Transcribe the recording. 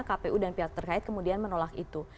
kpu dan pihak terkait kemudian menolak itu